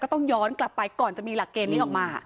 ต้องย้อนกลับไปก่อนจะมีหลักเกณฑ์นี้ออกมา